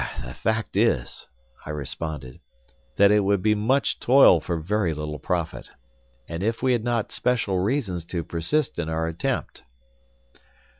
"The fact is," I responded, "that it would be much toil for very little profit. And if we had not special reasons to persist in our attempt."